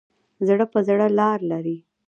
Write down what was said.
زړه په زړه لار لري.